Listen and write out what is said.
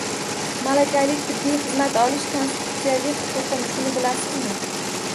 Malakali tibbiy xizmat olish konstitutsiyaviy huquqim shuni bilasizmi?